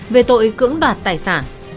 về tội cưỡng đoạt tài sản